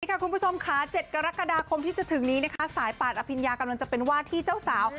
คุณผู้ชมค่ะ๗กรกฎาคมที่จะถึงนี้นะคะสายป่านอภิญญากำลังจะเป็นวาดที่เจ้าสาว